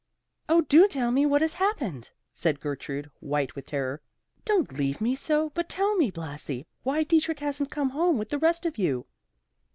"Oh do tell me what has happened," said Gertrude, white with terror. "Don't leave me so, but tell me, Blasi, why Dietrich hasn't come home with the rest of you?"